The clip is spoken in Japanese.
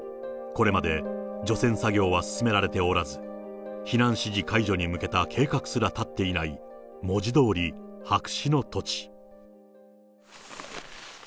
これまで除染作業は進められておらず、避難指示解除に向けた計画すら立っていない、文字どおり白紙の土地。